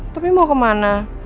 tapi mau kemana